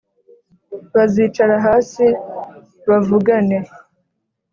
Ba zicara hasi bavugane